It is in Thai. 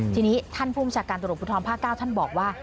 ที่นี้ท่านภูมิชาการตรวจบุทรภาคเก้าท่านบอกว่า